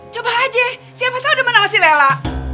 coba aja siapa tau demen sama si lela